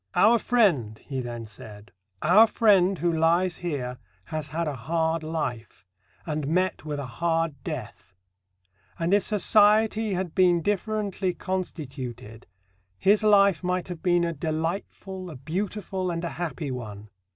"Our friend," he then said: Our friend who lies here has had a hard life, and met with a hard death; and, if society had been differently constituted, his life might have been a delightful, a beautiful, and a happy one.